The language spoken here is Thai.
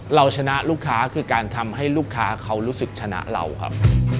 เราชนะลูกค้าคือการทำให้ลูกค้าเขารู้สึกชนะเราครับ